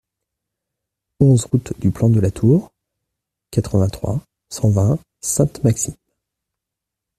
onze route du Plan de la Tour, quatre-vingt-trois, cent vingt, Sainte-Maxime